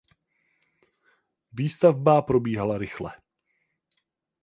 Výstavba probíhala rychle.